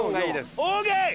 オーケー！